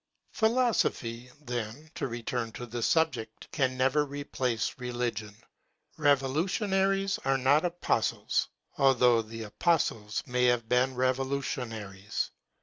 Philosophy, then, to return to the subject, can never replace religion ; revolutionaries are not apostles, although the apostles may have been revolutionaries.